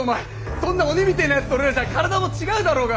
そんな鬼みてえなやつと俺らじゃあ体も違うだろうが。